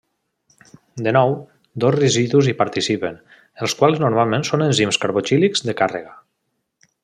De nou, dos residus hi participen, els quals normalment són enzims carboxílics de càrrega.